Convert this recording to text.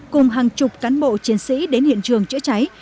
cùng hàng chục cán bộ chiến sĩ đến hiện trường chữa cháy